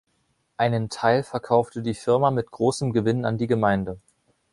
Einen Teil verkaufte die Firma mit großem Gewinn an die Gemeinde.